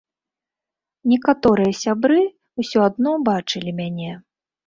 Некаторыя сябры ўсё адно бачылі мяне.